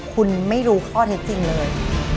คุณไม่รู้ข้อเท็จจริงเลย